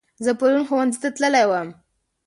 زه پرون ښوونځي ته تللی وم